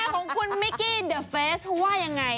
แม่ของคุณแมคกี้เดอะเฟสว่ายังไง